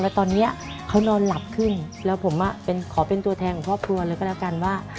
แล้วตอนนี้เขานอนหลับขึ้นแล้วผมขอเป็นตัวแทนของครอบครัวเลยก็แล้วกันว่า